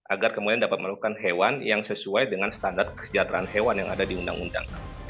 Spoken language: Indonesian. agar kemudian dapat melakukan hewan yang sesuai dengan standar kesejahteraan hewan yang ada di undang undang